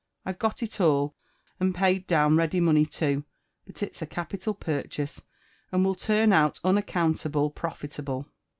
— I've got it all, and paid down ready money top ; but it's a capital purchase, and will turn out un ac count a ble pro fit a ble."